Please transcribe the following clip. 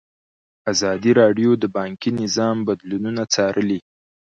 ازادي راډیو د بانکي نظام بدلونونه څارلي.